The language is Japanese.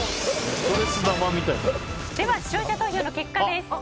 視聴者投票の結果です。